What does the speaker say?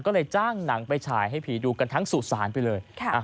ก็เลยจ้างหนังไปฉายให้ผีดูกันทั้งสุสานไปเลย